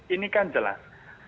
ini kan jelas